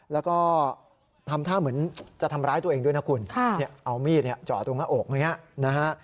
แล้วก็ทำท่าเหมือนจะทำร้ายตัวเองด้วยนะคุณเอามีดเจาะตรงหน้าอกอย่างนี้นะฮะ